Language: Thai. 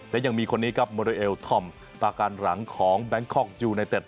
และยังมีคนนี้ครับโมเรเอลทอมสตาการหลังของแบงคอกยูไนเต็ด